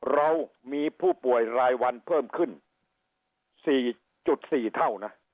เรามีผู้ป่วยรายวันเพิ่มขึ้น๔๔เท่านะ